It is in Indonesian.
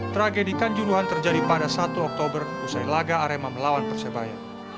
tragedi kanjuruhan terjadi pada satu oktober usai laga arema melawan persebaya